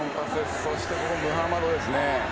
そしてムハマドですね。